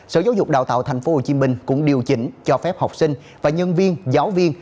sở giáo dục đào tạo tp hcm cũng điều chỉnh cho phép học sinh và nhân viên giáo viên